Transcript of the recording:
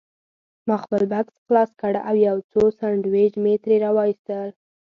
ما خپل بکس خلاص کړ او یو څو سنډوېچ مې ترې راوایستل.